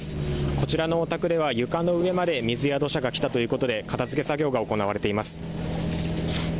こちらのお宅では床の上まで水や土砂が来たということで片づけ作業が行われています。